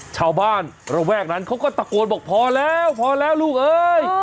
ชาวบ้านระแวกนั้นเขาก็ตะโกนบอกพอแล้วพอแล้วลูกเอ้ย